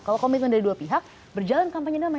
kalau komitmen dari dua pihak berjalan kampanye damai